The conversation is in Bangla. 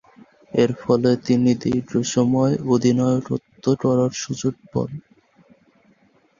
এরফলে তিনি দীর্ঘসময় অধিনায়কত্ব করার সুযোগ পান।